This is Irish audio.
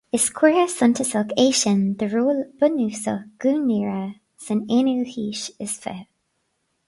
Is comhartha suntasach é sin de ról bunúsach Dhún Laoghaire san aonú haois is fiche